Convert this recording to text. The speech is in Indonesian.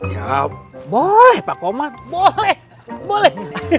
ya boleh pak komar boleh